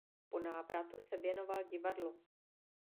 Po návratu se věnoval divadlu.